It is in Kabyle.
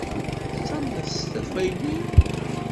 Tattamneḍ s tafeywin?